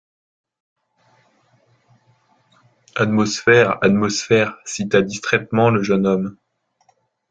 Atmosphère, atmosphère, cita distraitement le jeune homme